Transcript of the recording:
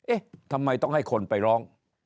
เอ๊ะทำไมต้องให้คนไปร้อง